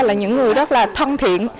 là những người rất là thân thiện